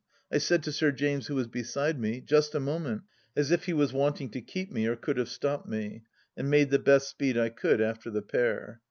I said to Sir James, who was beside me, " Just a moment !" as if he was wanting to keep me or could have stopped me, and made the best speed I could after the pair.